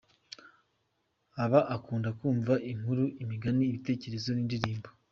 Aba akunda kumva inkuru, imigani, ibitekerezo n’indirimbo.